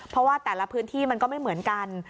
เพราะว่าแต่ละพื้นที่มันก็ไม่เหมือนกัน